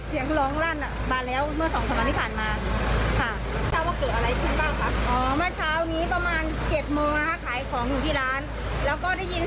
เพราะว่ามันงัดไม่ได้แล้วทีนี้พักใหญ่ค่ะ